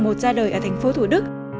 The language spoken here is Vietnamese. tự quản một ra đời ở tp thủ đức